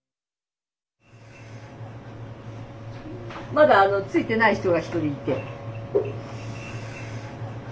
まだ着いてない人が１人いて。